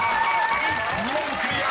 ［２問クリア！